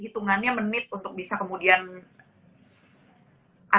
hitungannya menit untuk bisa kemudian